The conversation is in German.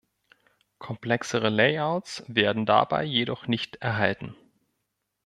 Komplexere Layouts werden dabei jedoch nicht erhalten.